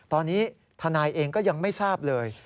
ตอนนี้ทนายเองก็ยังไม่ทราบเลย